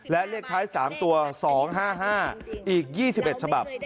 และเลขท้าย๓ตัว๒๕๕อีก๒๑ฉบับ